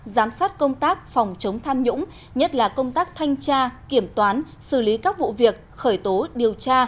giám sát công tác phòng chống tham nhũng nhất là công tác thanh tra kiểm toán xử lý các vụ việc khởi tố điều tra